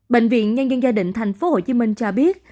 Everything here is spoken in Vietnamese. bệnh viện nhân dân gia định tp hcm cho biết